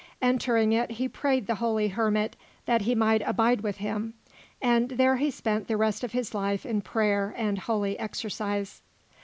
Entering it, he prayed the holy hermit that he might abide with him, and there he spent the rest of his life in prayer and holy exercise.